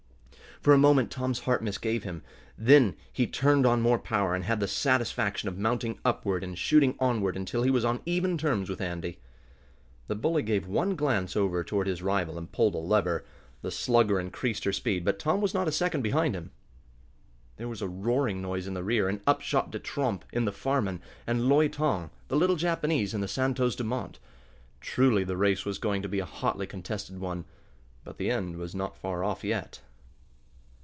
For a moment Tom's heart misgave him. Then he turned on more power, and had the satisfaction of mounting upward and shooting onward until he was on even terms with Andy. The bully gave one glance over toward his rival, and pulled a lever. The Slugger increased her speed, but Tom was not a second behind him. There was a roaring noise in the rear, and up shot De Tromp in the Farman, and Loi Tong, the little Japanese, in the Santos Dumont. Truly the race was going to be a hotly contested one. But the end was far off yet.